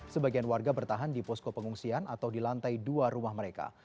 sebagian warga bertahan di posko pengungsian atau di lantai dua rumah mereka